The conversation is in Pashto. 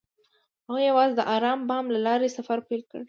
هغوی یوځای د آرام بام له لارې سفر پیل کړ.